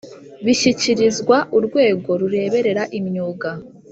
bishyikirizwa urwego rureberera imyuga